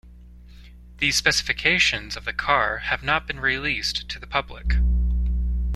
The specifications of the car have not been released to the public.